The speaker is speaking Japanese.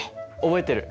覚えてる。